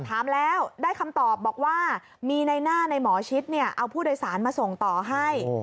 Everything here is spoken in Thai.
ถามแล้วได้คำตอบบอกว่ามีในหน้าในหมอชิดเอาผู้โดยสารมาส่งต่อให้